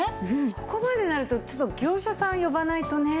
ここまでになるとちょっと業者さん呼ばないとね。